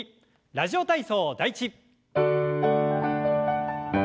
「ラジオ体操第１」。